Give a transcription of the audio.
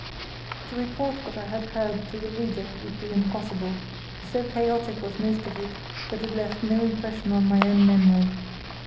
To report what I heard to the reader would be impossible; so chaotic was most of it that it left no impression on my own memory.